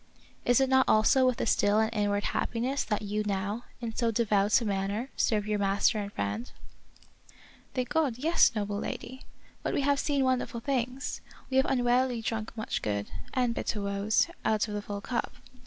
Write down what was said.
Is it not also with a still and inward happiness that you now, in so devout a manner, serve your master and friend ?"" Thank God, yes, noble lady. But we have 1 1 2 The Wonderful History seen wonderful things ; we have unwarily drunk much good, and bitter woes, out of the full cup.